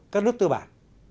các nước tư bản